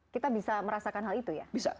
kita bisa merasakan hal itu ya